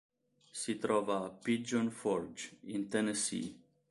Si trova a Pigeon Forge, in Tennessee.